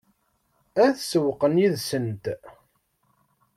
Ad sewweqen yid-sent?